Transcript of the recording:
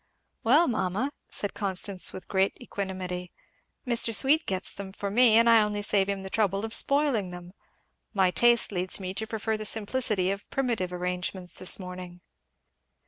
"Well, mamma! " said Constance with great equanimity, "Mr. Sweet gets them for me, and I only save him the trouble of spoiling them. My taste leads me to prefer the simplicity of primitive arrangements this morning."